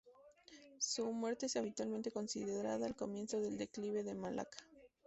Su muerte es habitualmente considerada el comienzo del declive de Malaca.